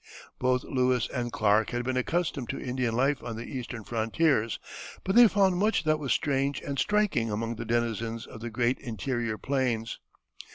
Both Lewis and Clark had been accustomed to Indian life on the Eastern frontiers, but they found much that was strange and striking among the denizens of the great interior plains.